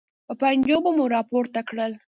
په پنجو به مو راپورته کړل.